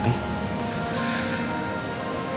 apa yang memegang